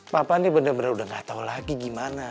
papa ini bener bener udah gak tau lagi gimana